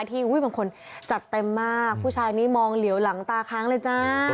บางคนจัดเต็มมากผู้ชายนี้มองเหลียวหลังตาค้างเลยจ้า